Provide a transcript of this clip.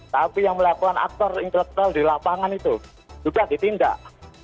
tapi yang melakukan aktor intelektual di lapangan itu juga ditindak